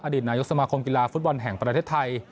ดีตนายกสมาคมกีฬาฟุตบอลแห่งประเทศไทย